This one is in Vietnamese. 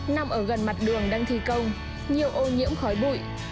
nằm ở gần mặt đường đang thi công nhiều ô nhiễm khói bụi